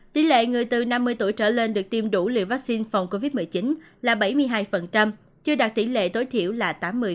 tỷ lệ người từ năm mươi tuổi trở lên được tiêm đủ liều vaccine phòng covid một mươi chín là bảy mươi hai chưa đạt tỷ lệ tối thiểu là tám mươi